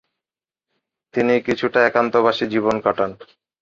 তিনি কিছুটা একান্তবাসী জীবন কাটান।